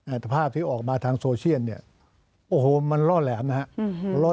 ภาพที่ออกมาทางโซเชียลเนี่ยโอ้โหมันล่อแหลมนะครับ